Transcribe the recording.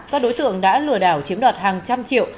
các đối tượng đã lừa đảo chiếm đoạt hàng trăm triệu